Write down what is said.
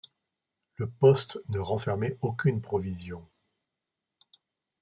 Le poste ne renfermait aucune provision…